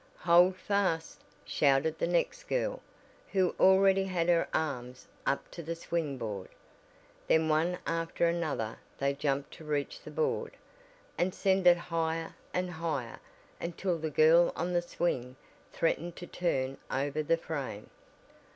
"Hold fast!" shouted the next girl, who already had her arms up to the swing board. Then one after another they jumped to reach the board, and send it higher and higher until the girl on the swing threatened to turn over the frame.